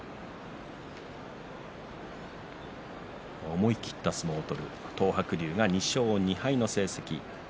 思い切った相撲を取る東白龍が２勝２敗の成績。